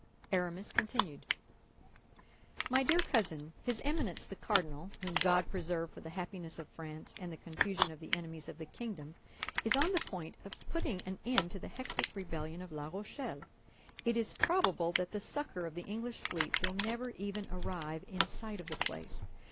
Aramis continued: "MY DEAR COUSIN, His Eminence, the cardinal, whom God preserve for the happiness of France and the confusion of the enemies of the kingdom, is on the point of putting an end to the hectic rebellion of La Rochelle. It is probable that the succor of the English fleet will never even arrive in sight of the place.